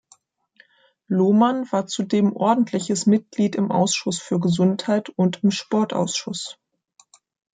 Lohmann war zudem ordentliches Mitglied im Ausschuss für Gesundheit und im Sportausschuss.